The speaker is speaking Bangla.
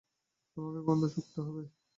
তোমাকে গন্ধ শুঁকতে হবে।